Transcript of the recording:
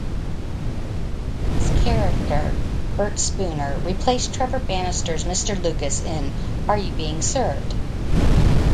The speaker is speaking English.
His character, Bert Spooner, replaced Trevor Bannister's Mr. Lucas in Are You Being Served?